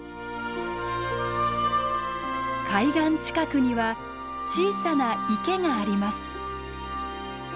海岸近くには小さな池があります。